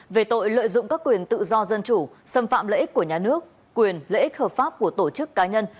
về tội lợi dụng các quyền tự do dân chủ xâm phạm lợi ích của nhà nước quyền lợi ích hợp pháp của tổ chức cá nhân